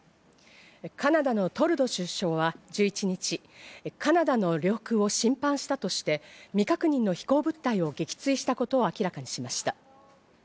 カナダのトルドー首相は１１日、カナダの領空を侵犯したとして、未確認の飛行物体を撃墜したことを明らかにしました。